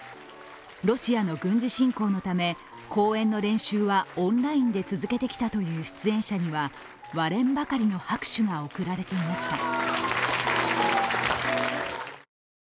ロシアの軍事侵攻のため公演の練習はオンラインで続けてきたという出演者には割れんばかりの拍手が送られていました。